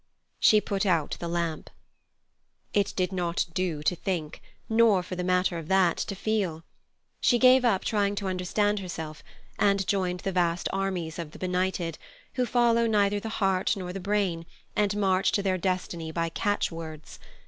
She put out the lamp. It did not do to think, nor, for the matter of that, to feel. She gave up trying to understand herself, and joined the vast armies of the benighted, who follow neither the heart nor the brain, and march to their destiny by catch words.